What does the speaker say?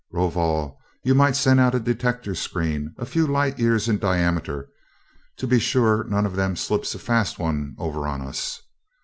Rovol, you might send out a detector screen a few light years in diameter, to be sure none of them slips a fast one over on us.